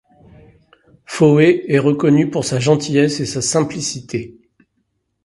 Foé est reconnu pour sa gentillesse et sa simplicité.